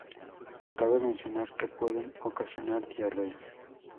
Cabe mencionar que pueden ocasionar diarrea.